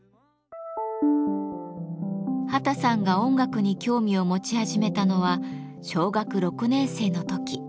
秦さんが音楽に興味を持ち始めたのは小学６年生の時。